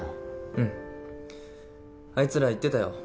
うんあいつら言ってたよ